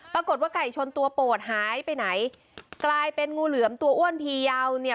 ปรากฏว่าไก่ชนตัวโปรดหายไปไหนกลายเป็นงูเหลือมตัวอ้วนพียาวเนี่ย